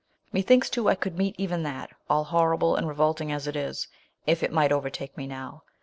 Methinks, too, I could meet even that — all ln>rrible and re volting as it is — if it might overtake me now.